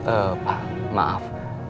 eh pak maaf